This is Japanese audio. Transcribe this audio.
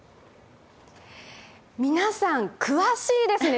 皆さん、詳しいですね！